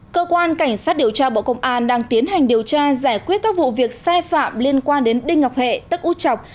cơ quan cảnh sát điều tra bộ công an đang tiến hành điều tra giải quyết các vụ việc sai phạm liên quan đến đinh ngọc hệ tức út chọc